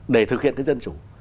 để thực hiện cái dân chủ